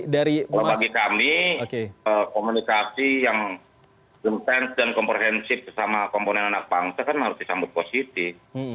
kalau bagi kami komunikasi yang intens dan komprehensif bersama komponen anak bangsa kan harus disambut positif